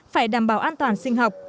phải đảm bảo an toàn sinh học